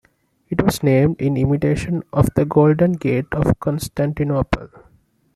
It was named in imitation of the Golden Gate of Constantinople.